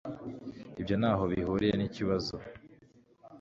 Ibyo ntaho bihuriye nikibazo